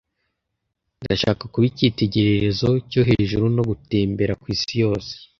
Ndashaka kuba icyitegererezo cyo hejuru no gutembera kwisi yose.